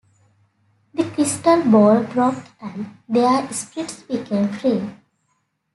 The Crystal ball broke and their spirits became free.